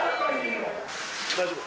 大丈夫。